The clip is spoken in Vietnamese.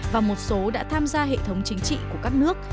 và một số đã tham gia hệ thống chính trị của các nước